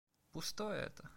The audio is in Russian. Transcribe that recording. Пустое это!